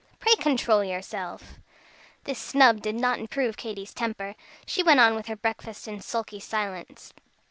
Pray control yourself!" This snub did not improve Katy's temper. She went on with her breakfast in sulky silence.